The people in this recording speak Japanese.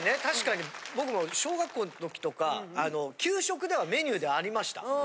確かに僕も小学校の時とか給食ではメニューでありました。